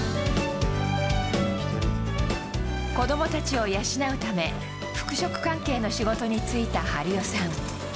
子どもたちを養うため、服飾関係の仕事に就いた春代さん。